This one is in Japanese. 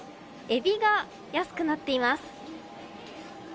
エビが安くなっています。